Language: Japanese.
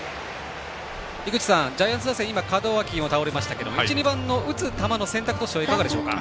井口さん、ジャイアンツ打線門脇も倒れましたが１、２番の打つ球の選択としてはいかがですか？